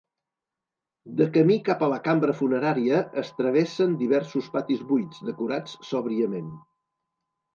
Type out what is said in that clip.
De camí cap a la cambra funerària es travessen diversos patis buits, decorats sòbriament.